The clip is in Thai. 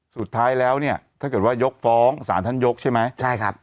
สุดท้ายแล้วถ้าเกิดว่ายกฟ้องสารท่านยกใช่ไหม